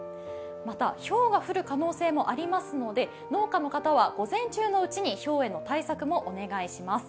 また、ひょうが降る可能性もありますので、農家の方は午前中のうちにひょうへの対策もお願いします。